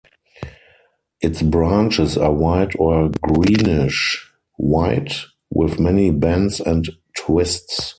Its branches are white or greenish-white, with many bends and twists.